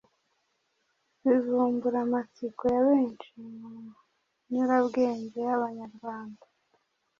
bivumbura amatsiko ya benshi mu nyurabwenge y’Abanyarwanda.